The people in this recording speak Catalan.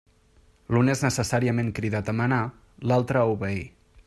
L'un és necessàriament cridat a manar, l'altre a obeir.